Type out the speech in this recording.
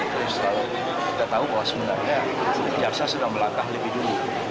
tapi dalam sekat dakwaan kita tahu bahwa sebenarnya jaksa sudah melangkah lebih dulu